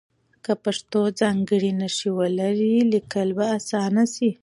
که پښتو ځانګړې نښې ولري لیکل به اسانه شي.